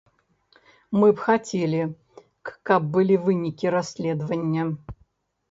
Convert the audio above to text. Мы б хацелі, каб былі вынікі расследавання.